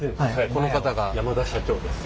この方が山田社長です。